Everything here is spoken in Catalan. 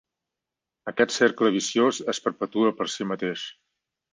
Aquest cercle viciós es perpetua per si mateix.